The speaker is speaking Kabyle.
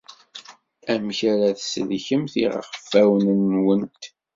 Amek ara tsellkemt iɣfawen-nwent?